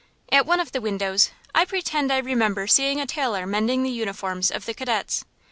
At one of the windows I pretend I remember seeing a tailor mending the uniforms of the cadets.